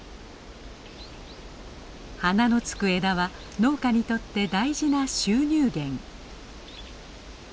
花の付く枝は農家にとって大事な収入源。